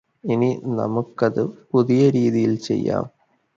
ഇനി നമുക്കത് പുതിയ രീതിയില് ചെയ്യാം